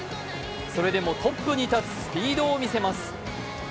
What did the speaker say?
それでもトップに立つスピードを見せます。